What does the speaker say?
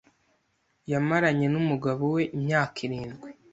yamaranye n umugabo we imyaka irindwi